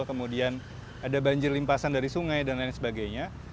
kemudian ada banjir limpasan dari sungai dan lain sebagainya